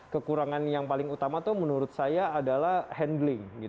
kekurangan yang paling utama itu menurut saya adalah handling